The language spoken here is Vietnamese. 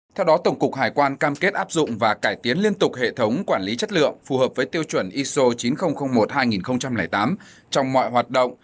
theo đó tổng cục hải quan cam kết áp dụng và cải tiến liên tục hệ thống quản lý chất lượng phù hợp với tiêu chuẩn iso chín nghìn một hai nghìn tám trong mọi hoạt động